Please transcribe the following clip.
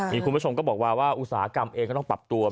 มีคุณผู้ชมก็บอกว่าว่าอุตสาหกรรมเองก็ต้องปรับตัว